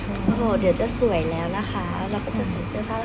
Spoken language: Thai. โหเดี๋ยวจะสวยแล้วนะคะแล้วก็จะสวยเจ้าภาพ